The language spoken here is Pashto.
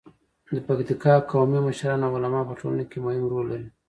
د پکتیکا قومي مشران او علما په ټولنه کې مهم رول لري.